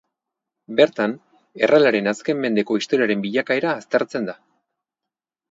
Bertan Errealaren azken mendeko historiaren bilakaera aztertzen da.